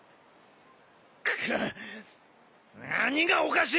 くっ何がおかしい！？